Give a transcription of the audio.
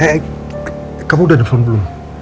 eh kamu udah nelfon dulu